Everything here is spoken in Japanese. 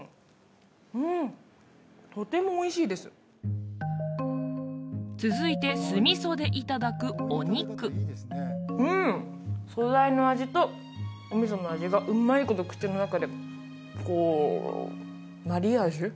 うんうんとてもおいしいです続いて酢味噌でいただくお肉うん素材の味とお味噌の味がうまいこと口の中でこうマリアージュ？